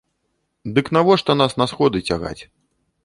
Дык навошта нас на сходы цягаць?